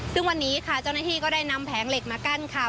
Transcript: ซึ่งวันนี้ค่ะเจ้าหน้าที่ก็ได้นำแผงเหล็กมากั้นค่ะ